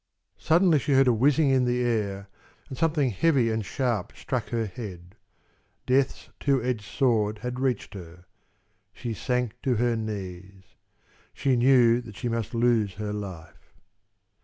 Suddenly she heard a whizzing in the air, and something heavy and sharp struck her head. Death's two edged sword had reached her. She sank to her knees. She knew that she must lose her life.